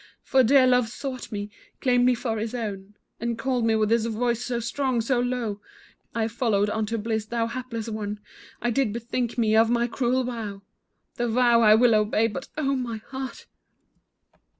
For dear love sought me, claimed me for his own, And called me with his voice so strong, so low, I followed unto bliss, thou hapless one, I did bethink me of my cruel vow, The vow I will obey, but oh, my heart!